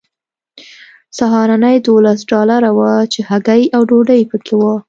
سهارنۍ دولس ډالره وه چې هګۍ او ډوډۍ پکې وه